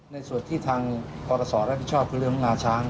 ในส่วนที่ทางปทศรักษาคือเรื่องงาช้าง